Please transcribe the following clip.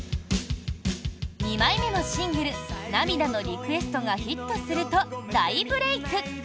２枚目のシングル「涙のリクエスト」がヒットすると大ブレーク！